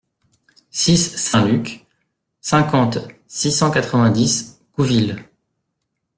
six saint Luc, cinquante, six cent quatre-vingt-dix, Couville